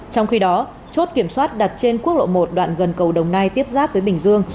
trong khi đó chốt kiểm soát đặt trên quốc lộ một đoạn gần cầu đồng nai tiếp giáp với bình dương